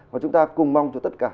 và chúng ta cùng mong cho tất cả